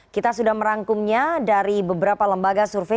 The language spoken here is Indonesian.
kita sudah merangkumnya dari beberapa lembaga survei